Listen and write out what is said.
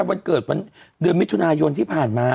วันเกิดวันเดือนมิถุนายนที่ผ่านมา